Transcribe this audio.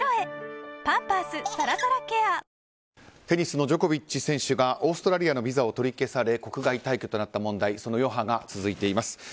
テニスのジョコビッチ選手がオーストラリアのビザを取り消され国外退去となった問題その余波が続いています。